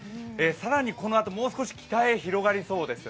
更にこのあと、もう少し北へ広がりそうです。